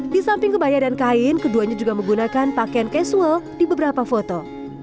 di samping kebaya dan kain keduanya juga menggunakan pakaian casual di beberapa foto